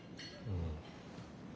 うん。